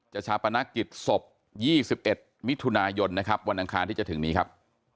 ชาปนกิจศพ๒๑มิถุนายนนะครับวันอังคารที่จะถึงนี้ครับ